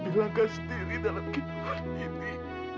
hilangkan sendiri dalam kehidupan ini